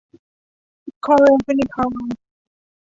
คลอแรมฟินิคอล